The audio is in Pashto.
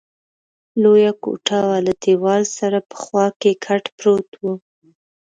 لویه کوټه وه، له دېوال سره په خوا کې کټ پروت وو.